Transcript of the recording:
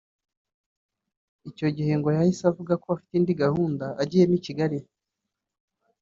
Icyo gihe ngo yahise avuga ko afite indi gahunda agiyemo i Kigali